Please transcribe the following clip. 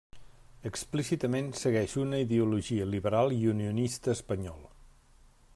Explícitament segueix una ideologia liberal i unionista espanyol.